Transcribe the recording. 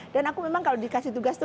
dan aku memang kalau dikasih tugas tuh